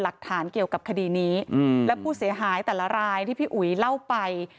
หลักฐานเกี่ยวกับคดีนี้และผู้เสียหายแต่ละรายที่พี่อุ๋ยเล่าไป